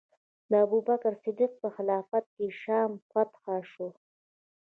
د ابوبکر صدیق په خلافت کې شام فتح شو.